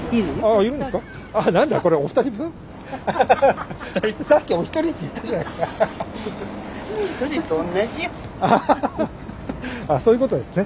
あっそういうことですね。